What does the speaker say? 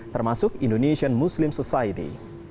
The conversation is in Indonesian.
termasuk indonesian muslim society